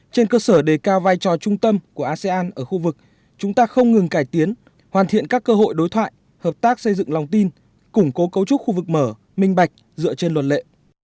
trên cơ sở đề cao vai trò trung tâm của asean ở khu vực chúng ta không ngừng cải tiến hoàn thiện các cơ hội đối thoại hợp tác xây dựng lòng tin củng cố cấu trúc khu vực mở minh bạch dựa trên luật lệ